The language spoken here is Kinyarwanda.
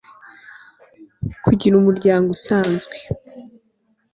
kugira umuryango usanzwe